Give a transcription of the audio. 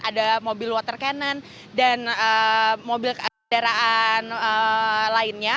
ada mobil water cannon dan mobil kendaraan lainnya